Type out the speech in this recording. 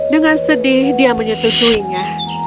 dengan sedih dia menyetujuinya